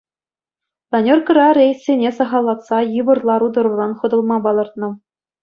Планеркӑра рейссене сахаллатса йывӑр лару-тӑруран хӑтӑлма палӑртнӑ.